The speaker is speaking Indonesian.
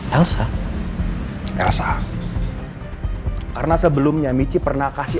elsa elsa karena sebelumnya michi pernah kasih